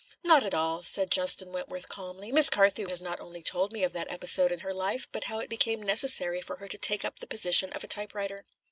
"Not at all," said Justin Wentworth calmly. "Miss Carthew has not only told me of that episode in her life, but how it became necessary for her to take up the position of a typewriter.